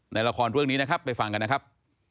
ในละครเรื่องนี้นะครับไปฟังกันนะครับ